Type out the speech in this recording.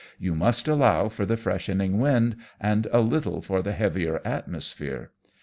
You must allow for the freshening wind, and a little for the heavier atmo sphere.